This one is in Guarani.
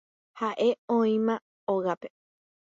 Ha'e oĩma hógape